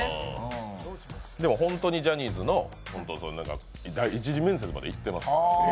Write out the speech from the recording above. でもホントにジャニーズの１次面接まで行ってます。